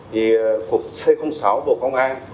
thì cục c sáu bộ công an